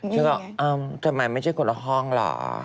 ฉันก็เอ้าทำไมไม่ใช่คนละห้องเหรอ